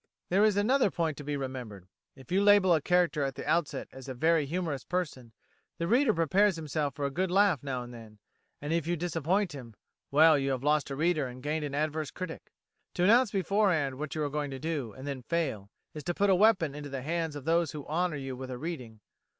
There is another point to be remembered. If you label a character at the outset as a very humorous person, the reader prepares himself for a good laugh now and then, and if you disappoint him well, you have lost a reader and gained an adverse critic. To announce beforehand what you are going to do, and then fail, is to put a weapon into the hands of those who honour you with a reading.